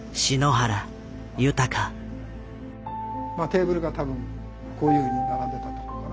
テーブルが多分こういうふうに並んでたと。